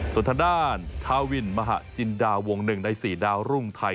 ส่วนทางด้านทาวินมหาจินดาวง๑ใน๔ดาวรุ่งไทย